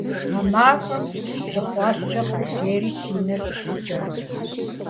А мафӀэм щыщ зы хъуаскӀэ къэлъейри си нэр щӀисыкӀащ.